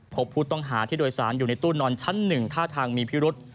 พบผู้ต้องหาที่โดยสารอยู่ในตู้นอนชั้น๑ท่าทางมีพิรุษ